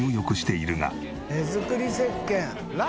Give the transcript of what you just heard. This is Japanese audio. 手作りせっけん。